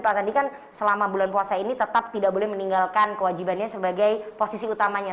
pak sandi kan selama bulan puasa ini tetap tidak boleh meninggalkan kewajibannya sebagai posisi utamanya